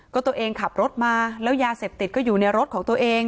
ก็ตัวเองขับรถมาแล้วยาเสพติดก็อยู่ในรถของตัวเอง